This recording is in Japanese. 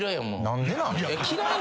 何でなん？